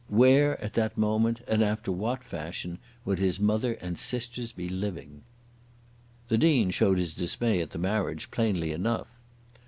Where at that moment, and after what fashion, would his mother and sisters be living? The Dean showed his dismay at the marriage plainly enough.